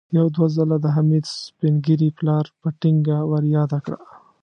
يو دوه ځله د حميد سپين ږيري پلار په ټينګه ور ياده کړه.